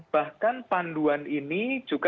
bahkan panduan ini juga